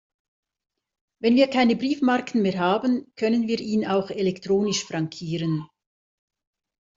Wenn wir keine Briefmarken mehr haben, können wir ihn auch elektronisch frankieren.